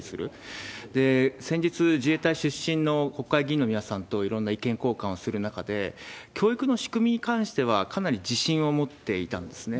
先日、自衛隊出身の国会議員の皆さんといろんな意見交換をする中で、教育の仕組みに関してはかなり自信を持っていたんですね。